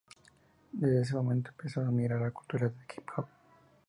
Desde ese momento empezó a admirar la cultura hip-hop.